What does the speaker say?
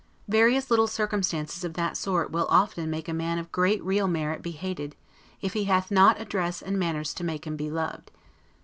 Various little circumstances of that sort will often make a man of great real merit be hated, if he hath not address and manners to make him be loved.